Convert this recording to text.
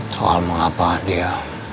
soal mengapa dia